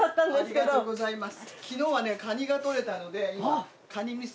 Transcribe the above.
ありがとうございます。